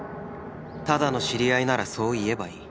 ただの知り合いならそう言えばいい